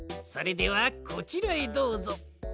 それではこちらへどうぞ。